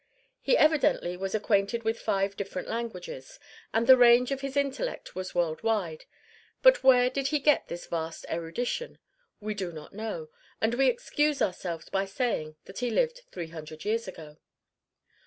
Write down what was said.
He evidently was acquainted with five different languages, and the range of his intellect was worldwide; but where did he get this vast erudition? We do not know, and we excuse ourselves by saying that he lived three hundred years ago.